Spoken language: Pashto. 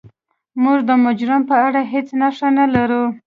موږ د مجرم په اړه هیڅ نښه نلرو.